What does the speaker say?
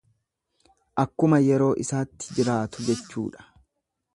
Akkuma yeroo isaatti jiraatu jechuudha.